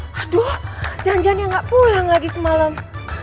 waduh janjiannya enggak pulang lagi semalam